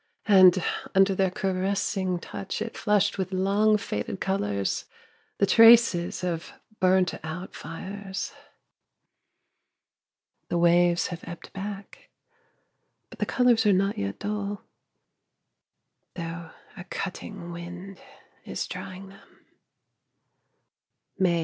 . and under their caressing touch it flushed with long faded colours, the traces of burnt out fires ! The waves have ebbed back ... but the colours are not yet dull, though a cutting wind is drying them.